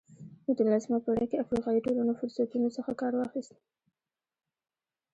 په نولسمه پېړۍ کې افریقایي ټولنو فرصتونو څخه کار واخیست.